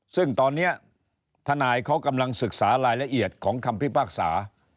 ซึ่งตอนนี้ทนายเขากำลังศึกษารายละเอียดของคำพิพากษา